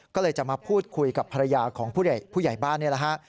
ก็เลยจะมาพูดคุยกับภรรยาของผู้ใหญ่บ้านนี่แหละฮะ